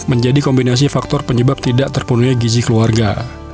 menjadi kombinasi faktor penyebab tidak terpenuhi gizi keluarga